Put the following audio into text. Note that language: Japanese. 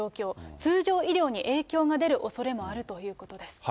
通常医療に影響が出るおそれもあるということです。